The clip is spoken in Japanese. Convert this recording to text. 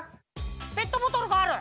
ペットボトルがある。